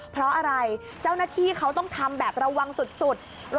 เพราะอะไรเจ้าหน้าที่เขาต้องทำแบบระวังสุด